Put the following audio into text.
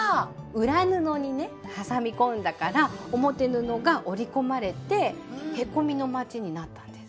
裏布にね挟み込んだから表布が折り込まれてへこみのまちになったんです。